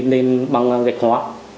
nên băng gạch hóa